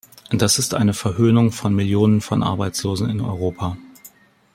Das ist eine Verhöhnung von Millionen von Arbeitslosen in Europa!